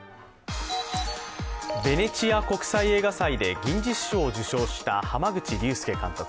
ベネチア国際映画祭で銀獅子賞を受賞した濱口竜介監督。